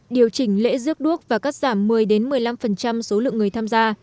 điều chỉnh lễ dước đuốc và cắt giảm một mươi một mươi năm